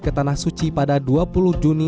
ke tanah suci pada dua puluh juni